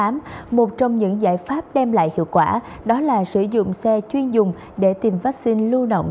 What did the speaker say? một trong những giải pháp đem lại hiệu quả đó là sử dụng xe chuyên dùng để tìm vaccine lưu động